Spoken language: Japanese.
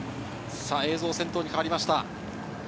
映像が先頭に変わりました。